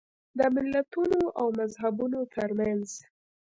د ملتونو او مذهبونو ترمنځ.